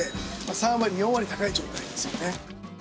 ３割４割高い状態ですよね。